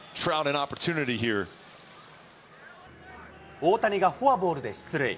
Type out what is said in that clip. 大谷がフォアボールで出塁。